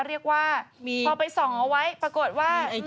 เรียกว่าพอไปส่องเอาไว้ปรากฏว่า